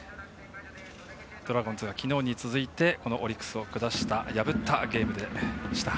ドラゴンズはきのうに続いてオリックスを破ったゲームでした。